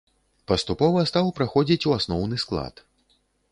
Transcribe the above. Паступова стаў праходзіць у асноўны склад.